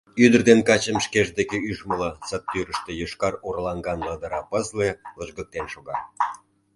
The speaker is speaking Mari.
Ӱдыр ден качым шкеж деке ӱжмыла сад тӱрыштӧ йошкар орлаҥган ладыра пызле лыжгыктен шога.